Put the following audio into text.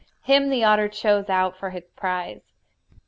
Him the otter chose out for his prize.